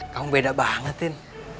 kamu beda banget tin